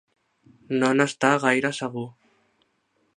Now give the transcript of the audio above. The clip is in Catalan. No n'està gaire segur.